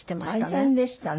大変でしたね。